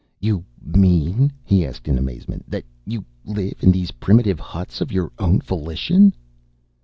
"You mean," he asked in amazement, "that you live in these primitive huts of your own volition?"